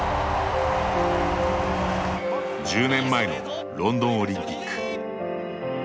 １０年前のロンドンオリンピック。